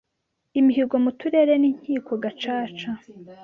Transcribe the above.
imihigo mu Turere n’Inkiko Gacaca.